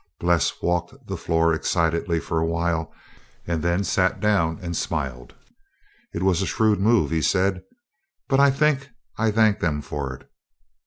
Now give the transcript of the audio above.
Bles walked the floor excitedly for a while and then sat down and smiled. "It was a shrewd move," he said; "but I think I thank them for it."